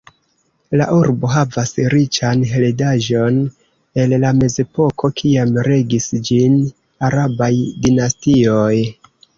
La urbo havas riĉan heredaĵon el la mezepoko, kiam regis ĝin arabaj dinastioj.